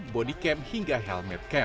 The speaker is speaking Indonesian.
bodycam hingga helmet cam